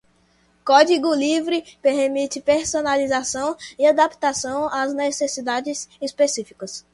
Código livre permite personalização e adaptação às necessidades específicas.